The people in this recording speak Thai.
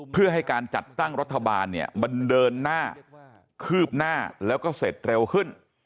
เพื่อให้การจัดตั้งรัฐบาลเนี่ยมันเดินหน้าคืบหน้าแล้วก็เสร็จเร็วขึ้น